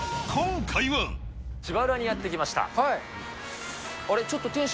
芝浦にやって来ました。